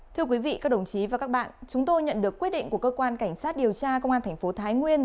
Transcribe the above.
thưa quý vị các đồng chí và các bạn chúng tôi nhận được quyết định của cơ quan cảnh sát điều tra công an thành phố thái nguyên